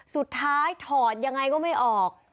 สุดท้ายถอดยังไงก็ไม่ออก